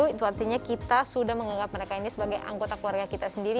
itu artinya kita sudah menganggap mereka ini sebagai anggota keluarga kita sendiri